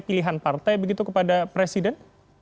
pilihan partai begitu kepada presiden